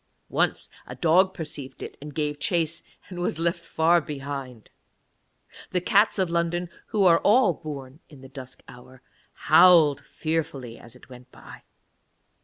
Once a dog perceived it and gave chase, and was left far behind. The cats of London, who are all born in the dusk hour, howled fearfully as it went by.